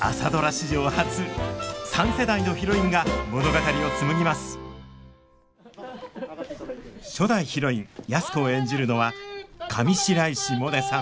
史上初三世代のヒロインが物語を紡ぎます初代ヒロイン安子を演じるのは上白石萌音さん